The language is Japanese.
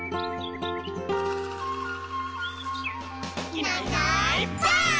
「いないいないばあっ！」